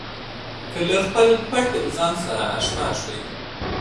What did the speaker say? که له خپل پټ ځان سره اشنا شئ.